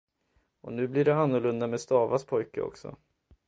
Och nu blir det annorlunda med Stavas pojke också.